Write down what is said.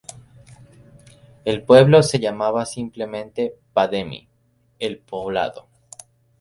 El pueblo se llamaba simplemente "Pa Demi", el poblado.